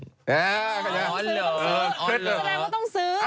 อ๋อหรอต้องซื้อ